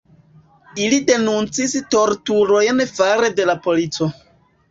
Ili denuncis torturojn fare de la polico.